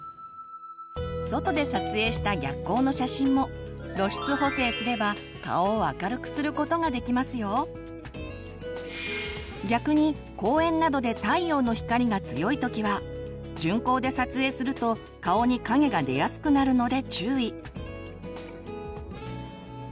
外で撮影した逆光の写真も逆に公園などで太陽の光が強い時は順光で撮影すると顔に影が出やすくなるので注意。